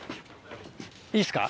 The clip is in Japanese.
いいっすか？